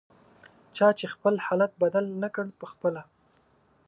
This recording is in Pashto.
چا چې خپل حالت بدل نکړ پخپله